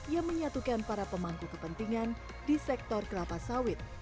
yang menyatukan para pemangku kepentingan di sektor kelapa sawit